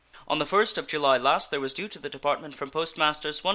On the first of July last there was due to the Department from post masters $135,245.